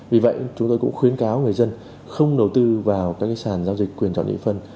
vì vậy chúng tôi cũng khuyến cáo người dân không đầu tư vào các sàn giao dịch quyền chọn địa phân